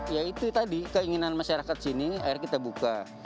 ya itu tadi keinginan masyarakat sini akhirnya kita buka